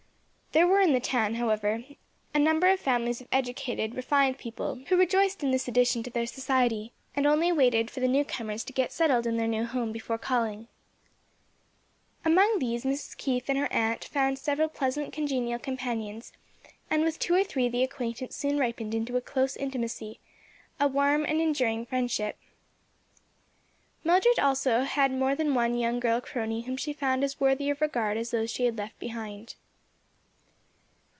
There were in the town, however, a number of families of educated, refined people who rejoiced in this addition to their society and only waited for the new comers to get settled in their new home before calling. Among these Mrs. Keith and her aunt found several pleasant, congenial companions; and with two or three the acquaintance soon ripened into a close intimacy, a warm, enduring friendship. Mildred also soon had more than one young girl crony whom she found as worthy of regard as those she had left behind.